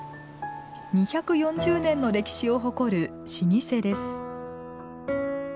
２４０年の歴史を誇る老舗です。